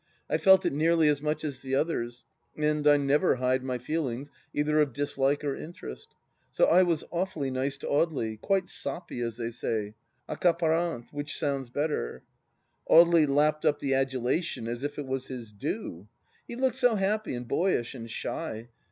I felt it nearly as much as the others, and I never hide my feelings, either of dislike or interest. So I was awfully nice to Audely, quite " soppy " as they say — aecaparante, which soimds better. Audely lapped up the adulation as if it was his due. He looked so happy and boyish and shy.